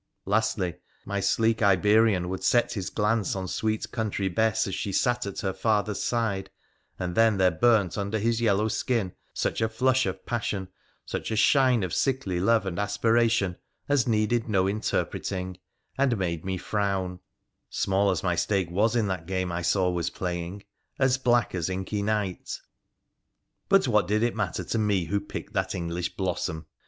Lastly, my 304 WOXDERFUL ADVENTURES OF Bleok Iberian would set his glance on sweet country Bess as she sat at her father's side, and then there burnt under his yellow skin such a flush of passion, such a shine of sickly love and aspiration as needed no interpreting, and made me frown — small as my stake was in that game I saw was play ing — as black as inky night. But what did it matter to me who picked that English blossom